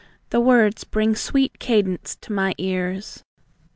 The words Bring sweet cadence to my ears.